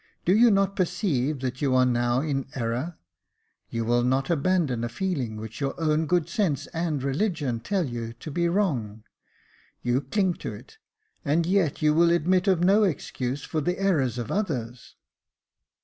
Do you not perceive that you are now in error ? You will not abandon a feeling which your own good sense and religion tell you to be wrong — you cling to it — and yet you will admit of no excuse for the errors of others."